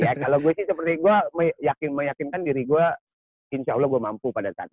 ya kalau gue sih seperti gue meyakinkan diri gue insya allah gue mampu pada saat itu